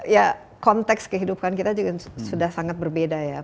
ya konteks kehidupan kita juga sudah sangat berbeda ya